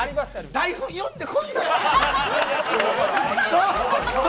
台本読んでこいよ。